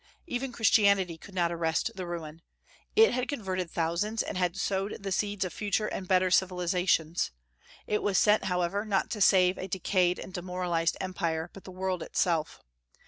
Even Christianity could not arrest the ruin. It had converted thousands, and had sowed the seeds of future and better civilizations. It was sent, however, not to save a decayed and demoralized empire, but the world itself.